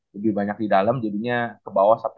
lebih banyak di dalam jadinya kebawah sampai ke